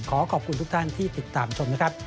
ขอขอบคุณทุกท่านที่ติดตามชมนะครับ